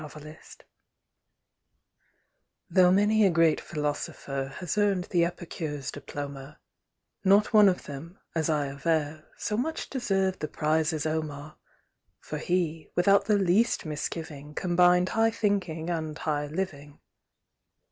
Omar Khayyam Though many a great Philosopher Has earned the Epicure's diploma, Not one of them, as I aver, So much deserved the prize as Omar; For he, without the least misgiving, Combined High Thinking and High Living.